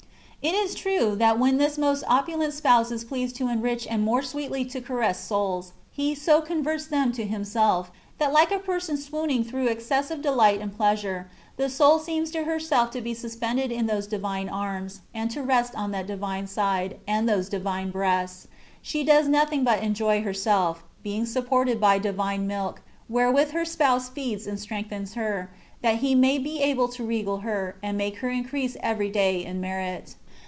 It is true, that when this most opulent Spouse is pleased to enrich and more sweetly to caress souls, He so converts them into Himself, that like a person swooning through excessive deUght and pleasure, the soul seems to herself to be suspended in those Divine arms, and to rest on that Divine side, and those Divine breasts: and she does nothing but enjoy herself, being supported by Divine milk, wherewith her Spouse feeds and strengthens her, that He may be able to regale her, and make her increase every day in merit.